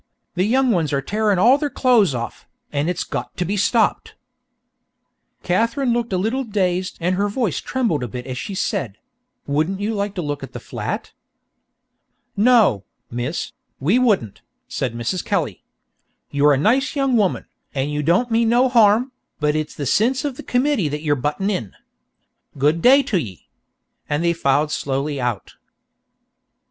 The young ones are tearin' all their clo'es off, an' it's got to be stopped!" Katherine looked a little dazed and her voice trembled a bit as she said: "Wouldn't you like to look at the flat?" "No, Miss, we wouldn't," said Mrs. Kelly. "You're a nice young woman, and you don't mean no harm, but it's the sinse av the committee that you're buttin' in. Good day to ye." And they filed slowly out.